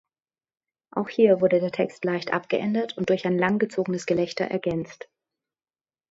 Auch hier wurde der Text leicht abgeändert und durch ein langgezogenes Gelächter ergänzt.